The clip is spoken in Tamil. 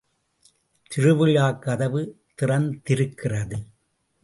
திருவிழாக் கதவு திறந்திருக்கிறது!